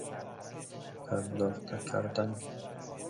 پرداخته کردن